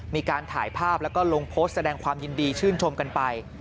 มีการถ่ายภาพแล้วก็ลงโพสต์แสดงความยินดีชื่นชมกันไป